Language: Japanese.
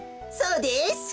そうです。